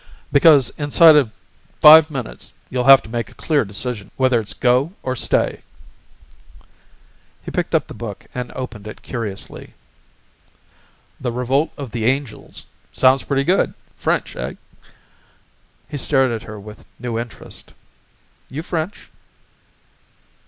"Because inside of five minutes you'll have to make a clear decision whether it's go or stay." He picked up the book and opened it curiously. "The Revolt of the Angels. Sounds pretty good. French, eh?" He stared at her with new interest "You French?"